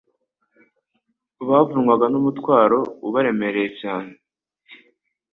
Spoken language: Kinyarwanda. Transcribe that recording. bavunwaga n'umutwaro ubaremereye cyane: